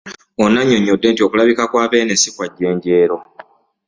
Ono annyonnyodde nti okulabika kwa Beene si kwa jjenjeero